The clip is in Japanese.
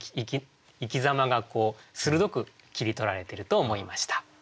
生きざまが鋭く切り取られてると思いました。